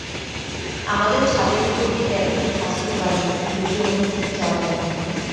আমাদের ছাদের উপর দিয়ে দেখন-হাসির বাড়ি পেরিয়ে ওখানে ঠিক যাওয়া যাবে।